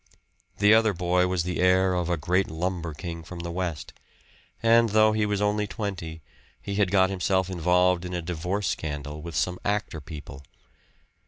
The other boy was the heir of a great lumber king from the West, and though he was only twenty he had got himself involved in a divorce scandal with some actor people.